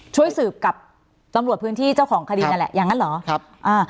ช่วยสืบกับตำรวจพื้นที่เจ้าของคดีนั่นแหละอย่างนั้นเหรอครับอ่า